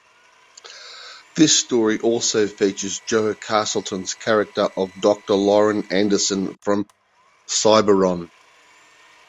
This story also features Jo Castleton's character of Doctor Lauren Anderson from "Cyberon".